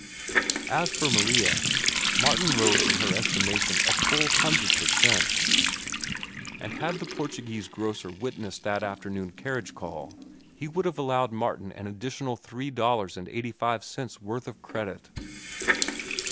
As for Maria, Martin rose in her estimation a full hundred per cent, and had the Portuguese grocer witnessed that afternoon carriage call he would have allowed Martin an additional three dollars and eighty five cents' worth of credit.